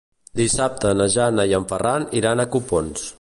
Dissabte na Jana i en Ferran iran a Copons.